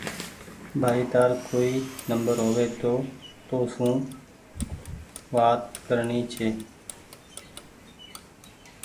ڀآئي تآر ڪوئي نمبر هووي تو تونٚ سون وآت ڪرڻي هيتي